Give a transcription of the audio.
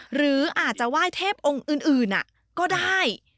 หรืออาจจะไหว้เทพองค์อื่นก็ได้